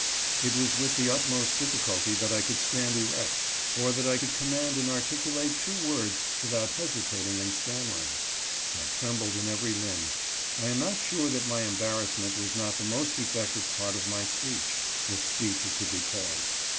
It was with the utmost difficulty that I could stand erect, or that I could command and articulate two words without hesitation and stammering. I trembled in every limb. I am not sure that my embarrassment was not the most effective part of my speech, if speech it could be called.